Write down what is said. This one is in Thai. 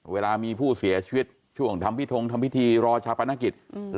เวลามีผู้เสียชีวิตช่วงทำพิทงทำพิธีรอชาปนกิจ